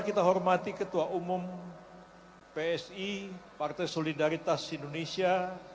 ketua umum partai solidaritas indonesia